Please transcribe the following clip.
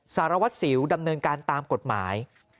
สารวัตรสิวดำเนินการตามกฎหมาย